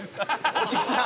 「おじさん！」